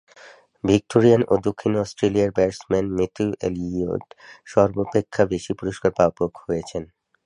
Victorian ও দক্ষিণ অস্ট্রেলিয়ার ব্যাটসম্যান ম্যাথু এলিয়ট সর্বাপেক্ষা বেশি পুরস্কার প্রাপক হয়েছেন।